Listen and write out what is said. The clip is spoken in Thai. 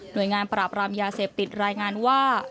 โดยงานปราบรามยาเสพติดรายงานว่า